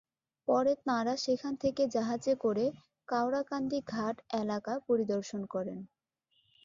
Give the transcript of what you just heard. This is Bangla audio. পরে তাঁরা সেখান থেকে জাহাজে করে কাওড়াকান্দি ঘাট এলাকা পরিদর্শন করেন।